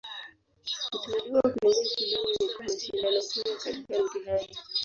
Kuteuliwa kuingia shuleni ni kwa mashindano huria katika mtihani.